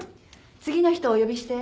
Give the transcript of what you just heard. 次の人をお呼びして。